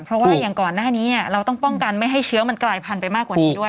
เพราะว่าอย่างก่อนหน้านี้เราต้องป้องกันไม่ให้เชื้อมันกลายพันธุไปมากกว่านี้ด้วย